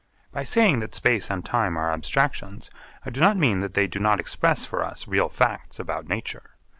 By saying that space and time are abstractions, I do not mean that they do not express for us real facts about nature.